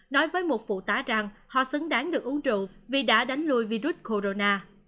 nói với một phụ tá rằng họ xứng đáng được uống rượu vì đã đánh lùi virus corona